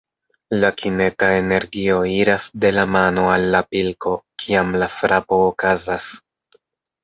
La kineta energio iras de la mano al la pilko, kiam la frapo okazas.